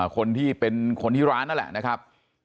คนที่ร้านนั่นแหละนั่นแหละนะครับ